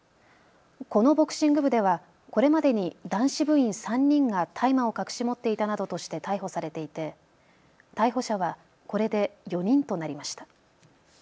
このボクシング部ではこれまでに男子部員３人が大麻を隠し持っていたなどとして逮捕されていて逮捕者はこれで４人となりました。